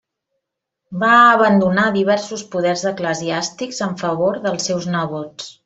Va abandonar diversos poders eclesiàstics en favor dels seus nebots.